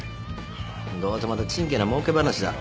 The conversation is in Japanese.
どうせまたちんけなもうけ話だろ。